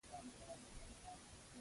اړیکه د ټولنیز ژوند اړتیا ده.